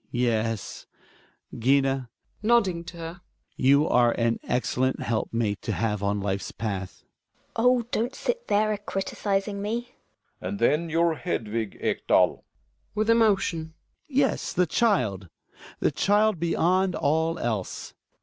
Hjalmar. Yes, Gina (nodding to her), you are an excellent helpmate to have on life's path. Gina. Oh I don't sit there a criticising me. Relling. And then your Hedvig, Ekdal. Hjalmar (with emotion). Yes, the child! The child beyond all else.